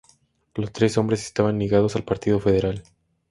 Los tres hombres estaban ligados al partido federal.